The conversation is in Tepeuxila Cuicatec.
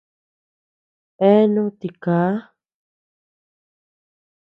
Eeanu tikaa.